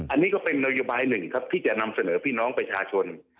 อันนี้ก็เป็นนโยบายหนึ่งครับที่จะนำเสนอพี่น้องประชาชน